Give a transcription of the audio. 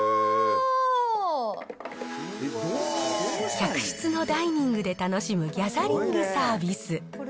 客室のダイニングで楽しむギャザリングサービス。